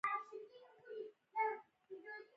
د هندوستان نجونې لولۍ بند به دې کیني.